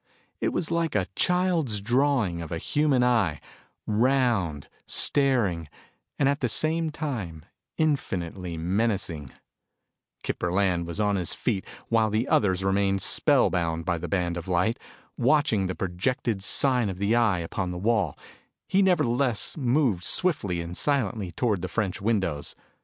It was like a child's drawing of a human eye, round, staring, and at the same time infinitely menacing. Kip Burland was on his feet while the others remained spellbound by the brand of light. Watching the projected sign of the eye upon the wall, he nevertheless moved swiftly and silently toward the French windows.